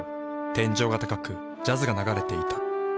天井が高くジャズが流れていた。